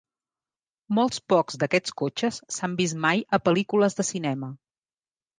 Molt pocs d'aquests cotxes s'han vist mai a pel·lícules de cinema.